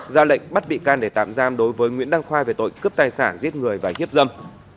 ra lệnh bắt bị can để tạm giam đối với nguyễn đăng khoa về tội cướp tài sản giết người và hiếp dâm